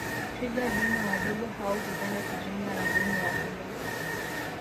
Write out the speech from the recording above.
Twiga dume wadogo hao hupenda kujiunga na dume wakubwa